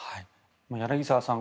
柳澤さん